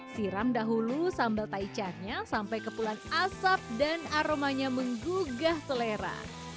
siram dahulu sambal taichannya sampai kepulan asap dan aromanya menggugah selera